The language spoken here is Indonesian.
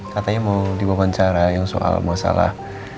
katanya mau diwawancara yang soal masalah